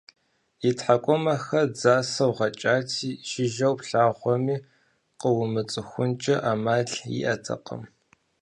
И тхьэкӀумэхэр дзасэу гъэкӀати, жыжьэу плъэгъуами, къыумыцӀыхункӀэ Ӏэмал иӀэтэкъым.